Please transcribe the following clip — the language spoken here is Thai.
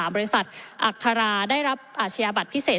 ๒๐๑๓บริษัทอัครราชได้รับอาชีพบัตรพิเศษ